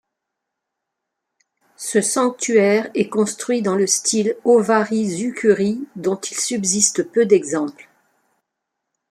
Ce sanctuaire est construit dans le style owari-zukuri dont il subsiste peu d'exemples.